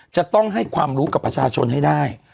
จะต้องให้ความรู้กับประชาชนให้ได้